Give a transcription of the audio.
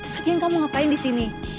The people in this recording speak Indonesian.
lagi kamu ngapain disini